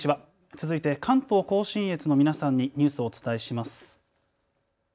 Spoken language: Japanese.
続いて関東甲信越の皆さんにニュースをお伝えします。